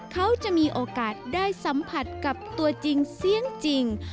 เขาจะมีโอกาสได้สัมผัสกับตัวจริงเสียงจริง